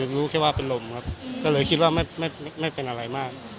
รู้แค่ว่าเป็นลมครับก็เลยคิดว่าไม่เป็นอะไรมาก